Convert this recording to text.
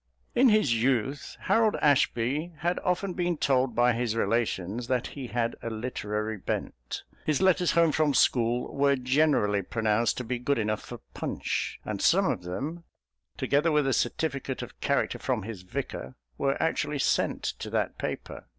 In his youth Harold Ashby had often been told by his relations that he had a literary bent. His letters home from school were generally pronounced to be good enough for Punch and some of them, together with a certificate of character from his Vicar, were actually sent to that paper.